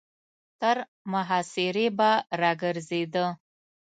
تر محاصرې به را ګرځېده.